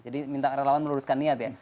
jadi minta relawan meluruskan niat ya